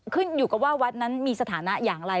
ขึ้นอยู่กับว่าวัดนั้นมีสถานะอย่างไร